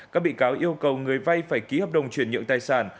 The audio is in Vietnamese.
các bị cáo yêu cầu người vay phải ký hợp đồng chuyển nhượng tài sản